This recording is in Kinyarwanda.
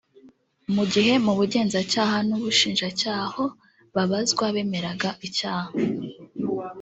mu gihe mu Bugenzacyaha n’ Ubushinjacyaha ho babazwa bemeraga icyaha